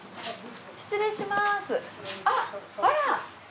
失礼します。